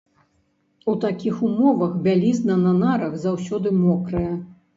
У такіх умовах бялізна на нарах заўсёды мокрая.